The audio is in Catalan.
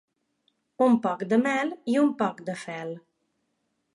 Un poc de mel i un poc de fel.